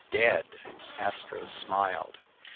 . Dead!" Astro smiled.